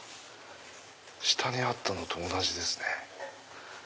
下にあったのと同じですね。